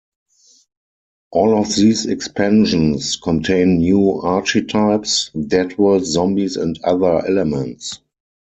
All of these expansions contain new archetypes, Deadworlds, zombies and other elements.